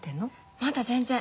まだ全然。